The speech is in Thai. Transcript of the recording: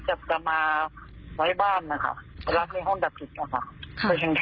เจ็บตามไม้ไขมือโรยพลัง